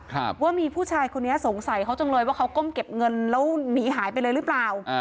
ครับว่ามีผู้ชายคนนี้สงสัยเขาจังเลยว่าเขาก้มเก็บเงินแล้วหนีหายไปเลยหรือเปล่าอ่า